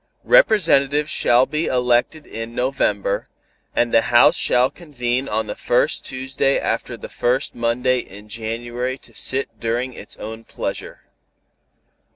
Representatives shall be elected in November, and the House shall convene on the first Tuesday after the first Monday in January to sit during its own pleasure.